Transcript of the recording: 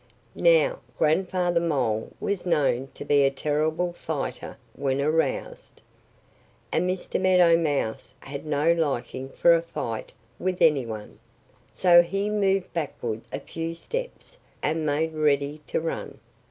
Now, Grandfather Mole was known to be a terrible fighter when aroused. And Mr. Meadow Mouse had no liking for a fight with any one. So he moved backward a few steps and made ready to run.